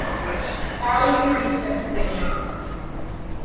কাউকে বিশ্বাস কর না!